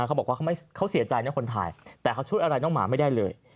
เขาบอกว่าเขาเสียใจนะคนถ่ายแต่เขาช่วยอะไรน้องหมาไม่ได้เลย